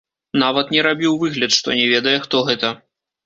Нават не рабіў выгляд, што не ведае, хто гэта.